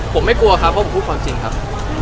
ผมไม่กลัวครับเพราะผมพูดความจริงครับ